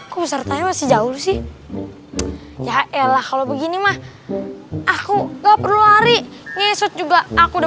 pesertanya masih jauh sih ya elah kalau begini mah aku nggak perlu hari nyesut juga aku udah